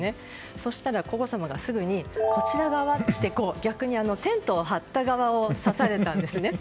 そうしたら皇后さまがすぐにこちら側って、逆にテントを張った側を指されたんです。